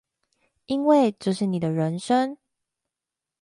因為這是你的人生